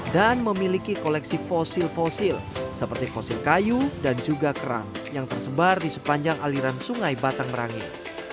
dan memiliki koleksi fosil fosil seperti fosil kayu dan juga kerang yang tersebar di sepanjang aliran sungai batang merangin